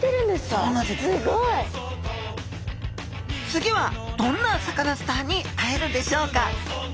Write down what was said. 次はどんなサカナスターに会えるでしょうか？